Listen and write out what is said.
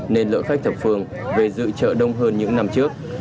nên lượng khách thập phương về dự chợ đông hơn những năm trước